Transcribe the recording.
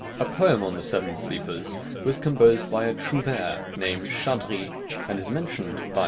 A poem on the Seven Sleepers was composed by a trouvère named Chardri, and is mentioned by M.